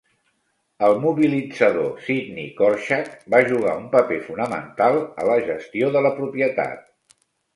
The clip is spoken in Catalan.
El mobilitzador Sidney Korshak va jugar un paper fonamental a la gestió de la propietat.